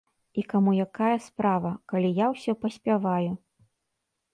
І каму якая справа, калі я ўсё паспяваю?